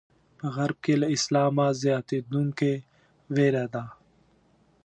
په غرب کې له اسلامه زیاتېدونکې وېره ده.